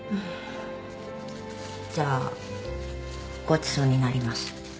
じゃあごちそうになります。